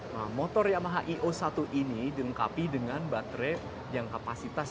nah motor yamaha eo satu ini dilengkapi dengan motor yang berkualitas